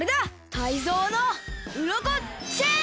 タイゾウのウロコチェーン！